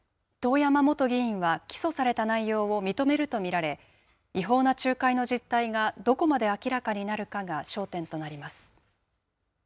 遠山元議員は起訴された内容を認めると見られ、違法な仲介の実態がどこまで明らかになるかが焦点となります。